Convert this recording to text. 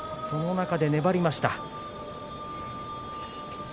その中で粘りました。